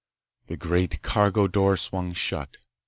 The great cargo door swung shut.